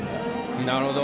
なるほど。